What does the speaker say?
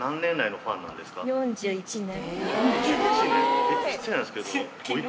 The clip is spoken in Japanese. ４１年！